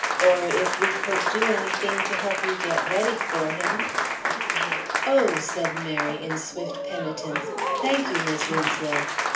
Or if we could do anything to help you get ready for him...." "Oh," said Mary, in swift penitence, "thank you, Mis' Winslow.